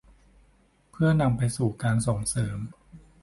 เพื่อนำไปสู่การส่งเสริม